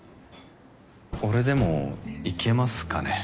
俺でもいけますかね？